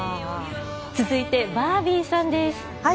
続いてバービーさんです。